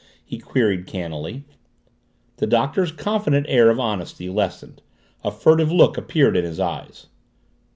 he queried cannily. The Doctor's confident air of honesty lessened, a furtive look appeared in his eyes.